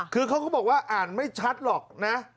คือเขาก็บอกว่าอ่านไม่ชัดหรอกนะ